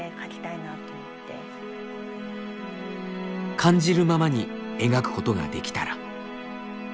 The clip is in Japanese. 感じるままに描くことができたら。